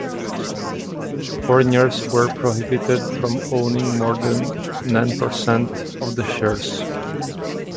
Foreigners were prohibited from owning more than nine-percent of the shares.